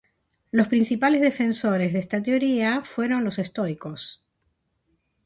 Los principales defensores de esta teoría fueron los estoicos.